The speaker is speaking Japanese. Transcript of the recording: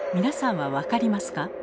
皆さんは分かりますか？